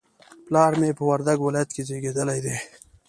پلار مې په وردګ ولایت کې زیږدلی